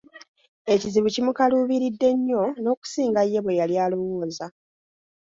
Ekizibu kimukaluubiridde nnyo n'okusinga ye bweyali alowooza.